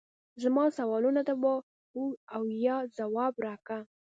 زما سوالونو ته په هو او یا ځواب راکړه